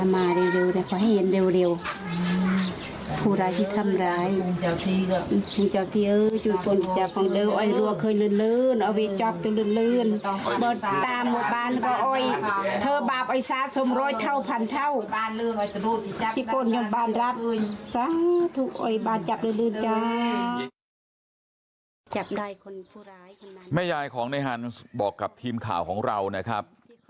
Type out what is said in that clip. แม่ยายของในฮันส์บอกกับทีมข่าวของเรานะครับ